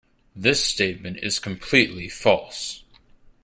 This statement is completely false.